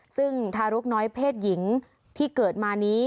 ซึ่งทารกน้อยเพศหญิงที่เกิดมานี้